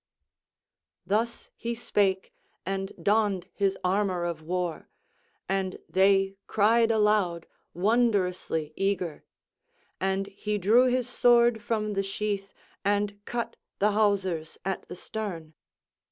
Thus he spake, and donned his armour of war; and they cried aloud, wondrously eager. And he drew his sword from the sheath and cut the hawsers at the stern.